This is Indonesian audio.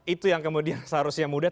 itu yang kemudian seharusnya mudah